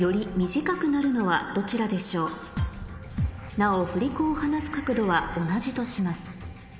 なお振り子をはなす角度は同じとします